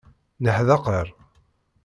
Neḥdaqer.